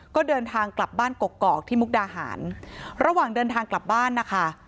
ก็เดินทางกลับบ้านกกอกที่มุกดาหารระหว่างเดินทางกลับบ้านนะคะ